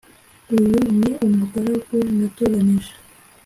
uyu ni umugaragu natoranyije